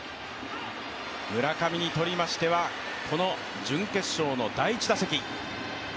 村上にとりましてはこの準決勝の第１打席。